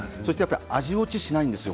味落ちしないんですよ。